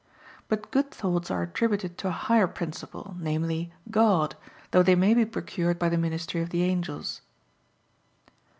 But good thoughts are attributed to a higher principle, namely, God, though they may be procured by the ministry of the angels.